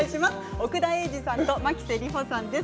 奥田瑛二さんと牧瀬里穂さんです。